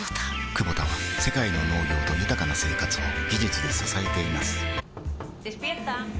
クボタは世界の農業と豊かな生活を技術で支えています起きて。